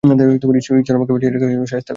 তাই ঈশ্বর আমাকে বাঁচিয়ে তাকে শায়েস্তা করেছে।